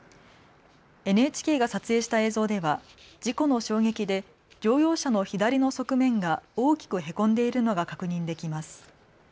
ＮＨＫが撮影した映像では事故の衝撃で乗用車の左の側面が大きくへこんでいるのが確認できます。